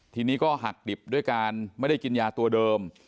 ทีนี้ก็หักดิบด้วยการไม่ได้กินยาตัวเดิม